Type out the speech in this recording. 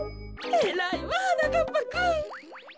えらいわはなかっぱくん。